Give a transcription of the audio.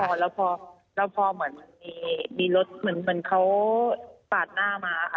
แล้วพอแล้วพอแล้วพอเหมือนมีมีรถเหมือนเหมือนเขาปาดหน้ามาค่ะ